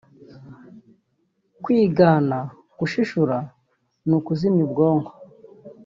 Kwigana (gushishura) ni ukuzimya ubwonko